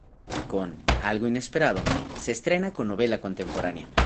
Con "Algo inesperado" se estrena con novela contemporánea.